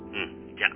じゃあ